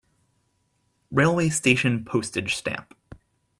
Railway station Postage stamp